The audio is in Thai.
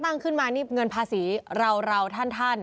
เงินภาษีเราท่าน